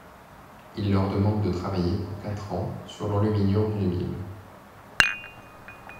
Il leur demande de travailler pour quatre ans sur l'enluminure d'une Bible.